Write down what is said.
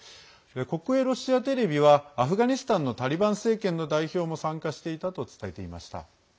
国営ロシアテレビはアフガニスタンのタリバン政権の代表も参加していたと伝えていました。